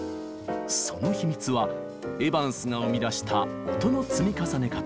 その秘密はエヴァンスが生み出した音の積み重ね方。